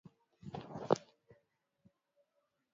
vyombo vya habari ndivyo vyenye jukumu la kwanza katika kuelimisha